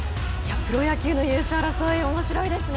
プロ野球の優勝争いおもしろいですね。